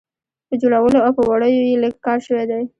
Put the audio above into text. په جوړولو او په وړیو یې لږ کار شوی دی.